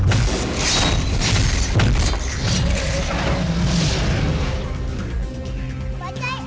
ayolah bajanya datang